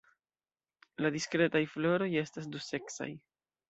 La diskretaj floroj estas duseksaj.